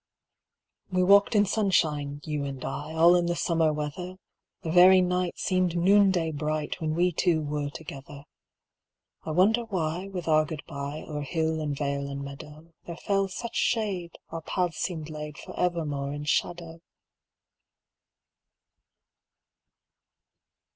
We walked in sunshine, you and I, All in the summer weather: The very night seemed noonday bright, When we two were together. I wonder why with our good bye O'er hill and vale and meadow There fell such shade, our paths seemed laid For evermore in shadow.